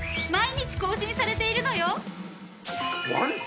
毎日更新されているのよ。